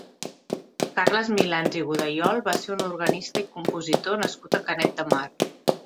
Carles Milans i Godayol va ser un organista i compositor nascut a Canet de Mar.